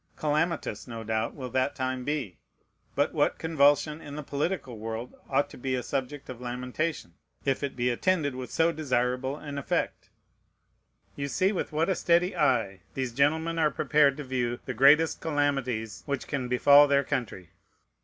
Calamitous, no doubt, will that time be. But what convulsion in the political world ought to be a subject of lamentation, if it be attended with so desirable an effect?" You see with what a steady eye these gentlemen are prepared to view the greatest calamities which can befall their country!